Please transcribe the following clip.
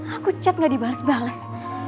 aku cat gak dibales bales